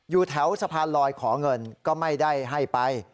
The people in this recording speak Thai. อยู่แถวสะพานลอยขอเงินก็ไม่ได้ให้ไป